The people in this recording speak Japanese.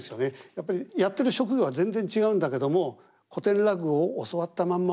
やっぱりやってる職業は全然違うんだけども古典落語を教わったまんま王道でやってる。